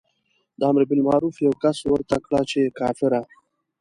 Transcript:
د امر بالمعروف یوه کس ورته کړه چې کافره.